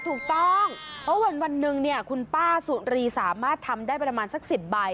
ถูกต้องเพราะวันหนึ่งเนี่ยคุณป้าสุรีสามารถทำได้ประมาณสัก๑๐ใบ